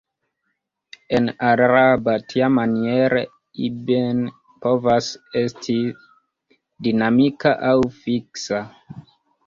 En araba tiamaniere "Ibn" povas esti dinamika aŭ fiksa!